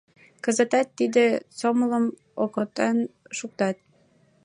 Кызытат тиде сомылым окотан шуктат.